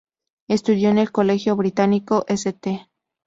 Estudió en el colegio británico St.